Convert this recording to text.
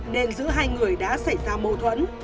nên giữa hai người đã xảy ra mâu thuẫn